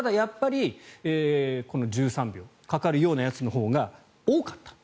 ただやっぱり１３秒かかるようなやつのほうが多かった。